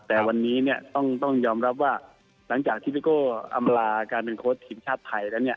แต่วันนี้เนี่ยต้องยอมรับว่าหลังจากที่พี่โก้อำลาการเป็นโค้ชทีมชาติไทยแล้วเนี่ย